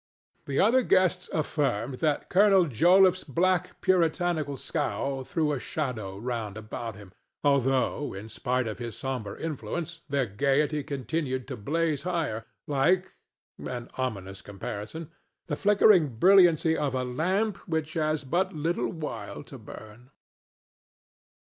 The other guests affirmed that Colonel Joliffe's black puritanical scowl threw a shadow round about him, although, in spite of his sombre influence, their gayety continued to blaze higher, like—an ominous comparison—the flickering brilliancy of a lamp which has but a little while to burn.